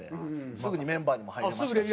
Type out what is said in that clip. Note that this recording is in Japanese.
すぐにメンバーにも入れましたし。